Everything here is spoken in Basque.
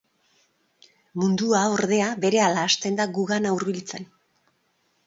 Mundua, ordea, berehala hasten da gugana hurbiltzen.